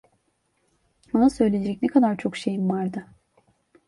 Ona söyleyecek ne kadar çok şeylerim vardı.